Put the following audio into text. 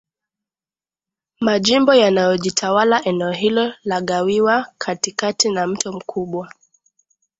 majimbo yanayojitawalaEneo hilo lagawiwa katikati na mto mkubwa